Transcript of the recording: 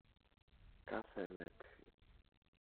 κάθε λέξη